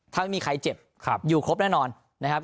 ถ้าไม่มีใครเจ็บอยู่ครบแน่นอนนะครับ